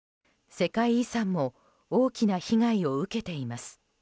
世界遺産も大きな被害を受けています。